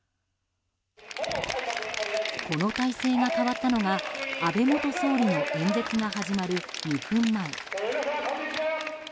この態勢が変わったのが安倍元総理の演説が始まる２分前。